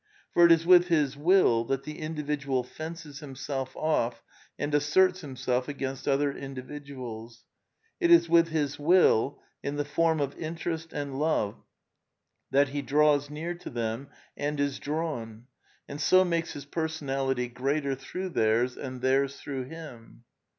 For it is with his will that the individual fences himself off and asserts himself against other indi viduals. It is with his will, in the form of interest and love, that he draws near to them and is drawn, and so makes his personality greater through theirs and theirs through him.